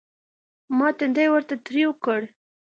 ما تندى ورته تريو کړ.